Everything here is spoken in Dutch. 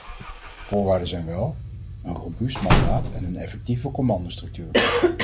Voorwaarden zijn wel, een robuust mandaat en een effectieve commandostructuur.